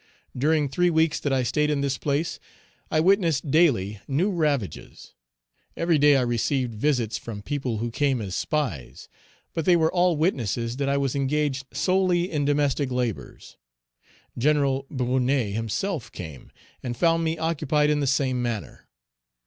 During three weeks that I stayed in this place, I witnessed daily new ravages; every day I received visits from people who came as spies, but they were all witnesses that I was engaged solely in domestic labors. Gen. Brunet himself came, and found me occupied in the same manner.